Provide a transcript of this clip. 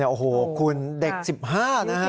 โอ้โหคุณเด็ก๑๕นะฮะ